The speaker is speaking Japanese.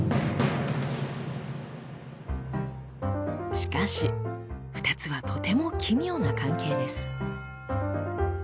しかし２つはとても奇妙な関係です。